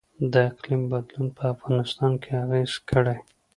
د اقلیم بدلون په افغانستان اغیز کړی؟